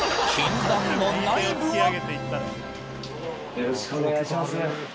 よろしくお願いします。